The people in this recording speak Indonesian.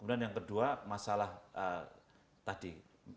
kemudian yang kedua masalah tadi